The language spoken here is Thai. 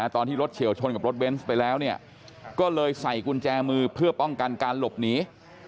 ตอนที่รถเฉียวชนกับรถเบนส์ไปแล้วเนี่ยก็เลยใส่กุญแจมือเพื่อป้องกันการหลบหนี